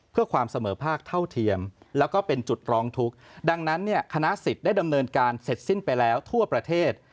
เพื่อความเสมอภาคเท่าเทียมแล้วก็เป็นจุดร้องทุกข์ดังนั้นเนี่ยคณะสิทธิ์ได้ดำเนินการเสร็จสิ้นไปแล้วทั่วประเทศ